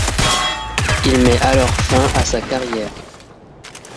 Il met alors fin à sa carrière.